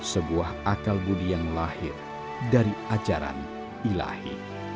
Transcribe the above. sebuah akal budi yang lahir dari ajaran ilahi